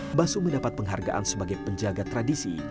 mbah sum mendapat penghargaan sebagai penjaga tradisi